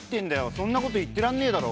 そんな事言ってらんねえだろ。